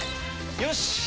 よし！